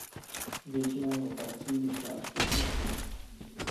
Většina jeho prací vyšla až posmrtně.